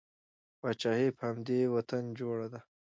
پاچاهي په همدې وطن جوړه ده.